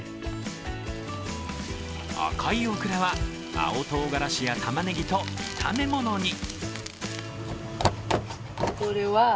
赤いオクラは青トウガラシやタマネギと炒め物に。